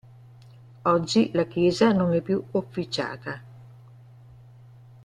Oggi la chiesa non è più officiata.